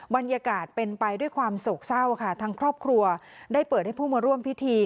บรรยากาศเป็นไปด้วยความโศกเศร้าค่ะทางครอบครัวได้เปิดให้ผู้มาร่วมพิธี